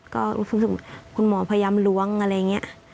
ก็รู้สึกคุณหมอพยายามล้วงอะไรอย่างนี้